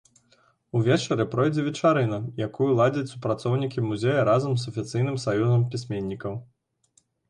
Увечары пройдзе вечарына, якую ладзяць супрацоўнікі музея разам з афіцыйным саюзам пісьменнікаў.